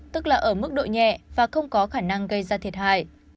tức là ở mức độ nhẹ và không có khả năng gây ra thiệt hại